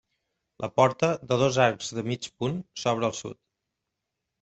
La porta, de dos arcs de mig punt, s'obre al sud.